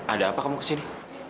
ada apa kamu kesini